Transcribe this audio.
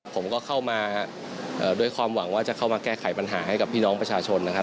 ผมก็เข้ามาด้วยความหวังว่าจะเข้ามาแก้ไขปัญหาให้กับพี่น้องประชาชนนะครับ